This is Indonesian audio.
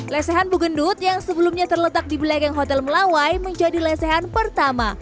lesehan bugendut yang sebelumnya terletak di belakang hotel melawai menjadi lesehan pertama